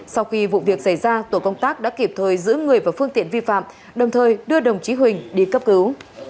sau khi vụ việc xảy ra tổ công tác đã kịp thời giữ người và phương tiện vi phạm đồng thời đưa đồng chí huỳnh đi cấp cứu